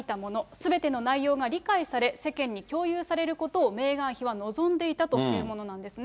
すべての内容が理解され、世間に共有されることをメーガン妃は望んでいたというものなんですね。